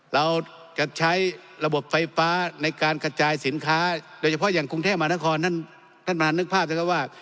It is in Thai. เราจะใช้ระบบไฟฟ้าในการกระจายสินค้าโดยเฉพาะอย่างกรุงเทพมหานครท่านท่านประธานนึกภาพนะครับว่า